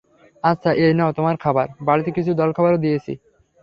আচ্ছা, এই নাও তোমার খাবার, বাড়তি কিছু জলখাবারও দিয়েছি।